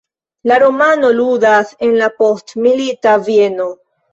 La romano ludas en la postmilita Vieno.